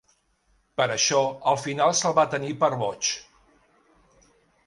Per això, al final se'l va tenir per boig.